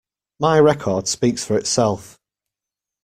My record speaks for itself.